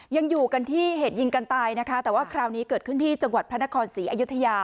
ยังอยู่กันที่เหตุยิงกันตายนะคะแต่ว่าคราวนี้เกิดขึ้นที่จังหวัดพระนครศรีอยุธยา